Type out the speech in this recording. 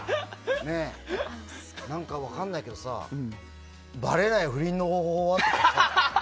何か分からないけどさばれない不倫の方法は？とか。